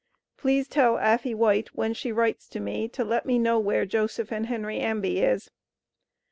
Please tell affey White when she writes to me to Let me know where Joseph and Henry Ambie is.